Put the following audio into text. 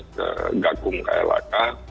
ke gakum klak